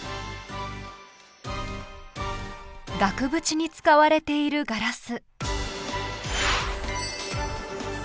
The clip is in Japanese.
調理器具に使われているガラス。